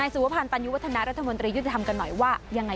แสดหน้า